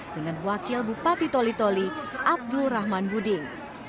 dengan wakil bupati toli toli abdul rahman buding